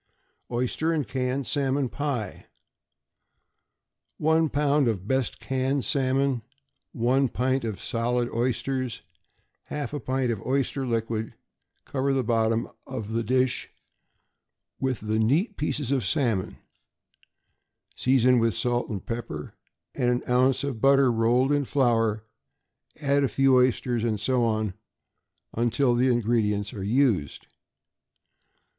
=Oyster and Canned Salmon Pie.= One pound of best canned salmon, one pint of solid oysters, half a pint of oyster liquid; cover the bottom of the dish with neat pieces of the salmon, season with salt and pepper and an ounce of butter rolled in flour, add a few oysters, and so on until the ingredients are used.